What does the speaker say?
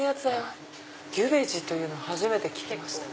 ギュベジというのは初めて聞きました。